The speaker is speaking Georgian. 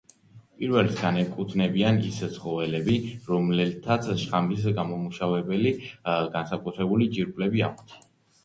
პირველს განეკუთვნებიან ის ცხოველები, რომელთაც შხამის გამომმუშავებელი განსაკუთრებული ჯირკვლები აქვთ.